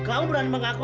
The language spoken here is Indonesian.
aku sudah berhenti